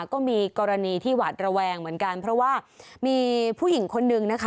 ก็มีกรณีที่หวาดระแวงเหมือนกันเพราะว่ามีผู้หญิงคนนึงนะคะ